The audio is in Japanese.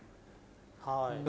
はい。